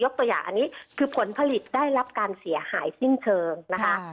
ตัวอย่างอันนี้คือผลผลิตได้รับการเสียหายสิ้นเชิงนะคะ